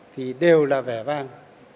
thì đều là vẻ vang